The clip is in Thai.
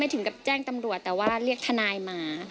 ถึงกับแจ้งตำรวจแต่ว่าเรียกทนายมา